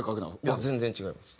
いや全然違います。